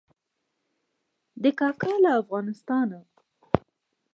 دی کاکا له افغانستانه.